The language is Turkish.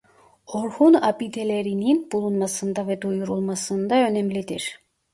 Orhun Abideleri'nin bulunmasında ve duyurulmasında önemlidir.